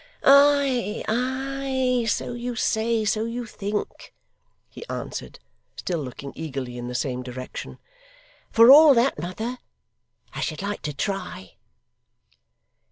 'Ay, ay; so you say; so you think,' he answered, still looking eagerly in the same direction. 'For all that, mother, I should like to try.